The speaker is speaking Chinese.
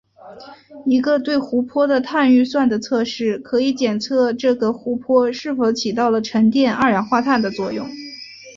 一个对湖泊的碳预算的测试可以检测这个湖泊是否起到了沉淀二氧化碳的作用。